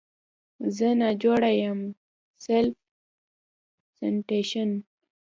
زه ناجوړه یم Self Citation